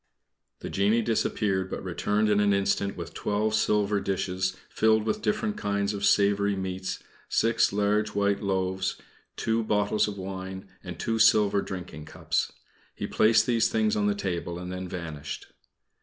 The genie disappeared, but returned in an instant with twelve silver dishes, filled with different kinds of savory meats, six large white loaves, two bottles of wine, and two silver drinking cups. He placed these things on the table and then vanished.